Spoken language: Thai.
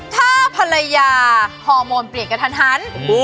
ถ้าภรรยาฮอร์โมนเปลี่ยนกระทันหัน